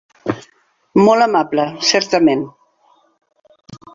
Molt amable, certament.